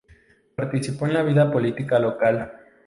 Participó en la vida política local.